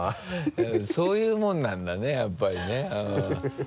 そういうもんなんだねやっぱりねハハハ